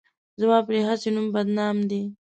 زما پرې هسې نوم بدنام دی.